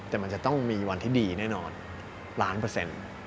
แต่มันจะต้องมีวันที่ดีแน่นอนล้านเปอร์เซ็นต์